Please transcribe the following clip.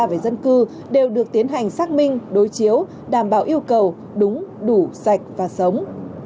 về dân cư đều được tiến hành xác minh đối chiếu đảm bảo yêu cầu đúng đủ sạch và sống